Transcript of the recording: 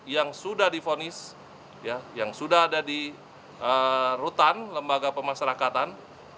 yang sudah difonis yang sudah ada di rutan lembaga pemasyarakatan